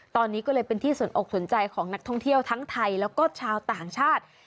ตอนนี้ก็เลยเป็นที่สนอกสนใจของนักท่องเที่ยวทั้งไทยแล้วก็ชาวต่างชาติ